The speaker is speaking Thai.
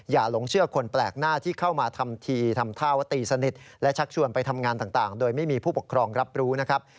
หลงเชื่อคนแปลกหน้าที่เข้ามาทำทีทำท่าว่าตีสนิทและชักชวนไปทำงานต่างโดยไม่มีผู้ปกครองรับรู้นะครับ